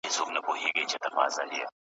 چي به خان کله سورلۍ ته وو بېولی .